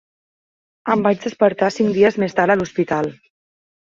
Em vaig despertar cinc dies més tard a l'hospital.